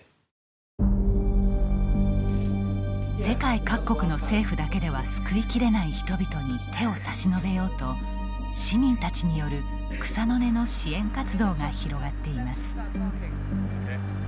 世界各国の政府だけでは救い切れない人々に手を差し伸べようと市民たちによる草の根の支援活動が広がっています。